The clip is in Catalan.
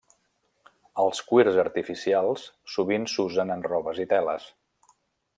Els cuirs artificials sovint s'usen en robes i teles.